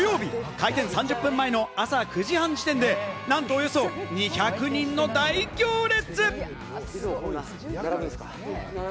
開店３０分前の朝９時半時点で、なんと、およそ２００人の大行列！